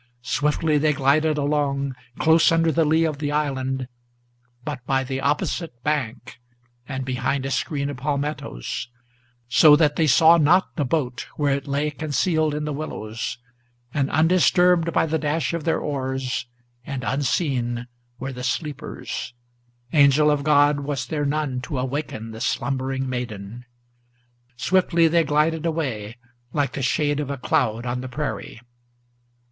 Swiftly they glided along, close under the lee of the island, But by the opposite bank, and behind a screen of palmettos, So that they saw not the boat, where it lay concealed in the willows, And undisturbed by the dash of their oars, and unseen, were the sleepers, Angel of God was there none to awaken the slumbering maiden. Swiftly they glided away, like the shade of a cloud on the prairie.